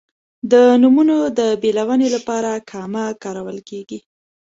د نومونو د بېلونې لپاره کامه کارول کیږي.